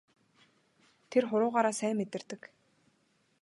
Тэр хуруугаараа сайн мэдэрдэг.